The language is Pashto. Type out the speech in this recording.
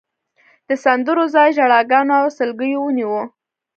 د سندرو ځای ژړاګانو او سلګیو ونیو.